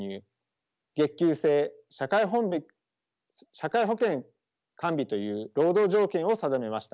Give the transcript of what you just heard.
月給制社会保険完備という労働条件を定めました。